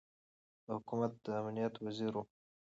د حکومت د امنیت وزیر ؤ